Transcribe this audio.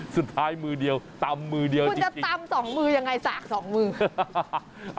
สุดท้ายมือเดียวตำมือเดียวคุณจะตำสองมือยังไงสากสองมือ